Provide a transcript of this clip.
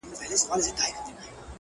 زه د بـلا سـره خـبري كـوم،